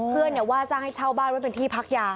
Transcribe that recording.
เพื่อนว่าจ้างให้เช่าบ้านไม่เป็นที่พักยา